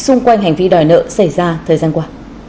xung quanh hành vi đòi nợ xảy ra thời gian qua